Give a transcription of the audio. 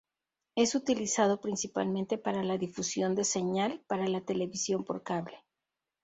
Es utilizado principalmente para la difusión de señal para la Televisión por Cable.